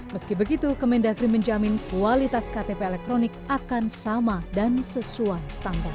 meski begitu kemendagri menjamin kualitas ktp elektronik akan sama dan sesuai standar